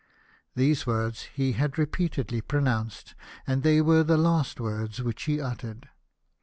" These words he had repeatedly pronounced, and they were the last words which he uttered.